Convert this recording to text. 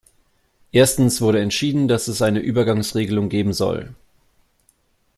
Erstens wurde entschieden, dass es eine Übergangsregelung geben soll.